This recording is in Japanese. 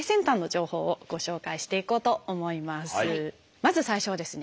まず最初はですね